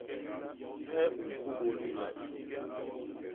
Hee u mpôbôl i nya ini?